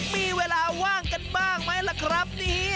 มีเวลาว่างกันบ้างไหมล่ะครับเนี่ย